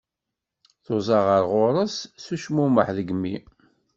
Tuẓa ɣer ɣur-s s ucmumeḥ deg imi.